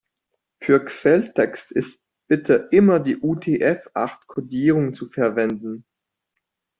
Für Quelltext ist bitte immer die UTF-acht-Kodierung zu verwenden.